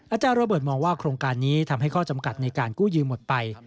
อาจารย์โรเบิร์ตมองว่าโครงการนี้ทำให้ข้อจำกัดในการกู้ยืมหมดไป